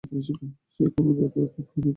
সে কোন জাতির কৃপাভিখারী নয়।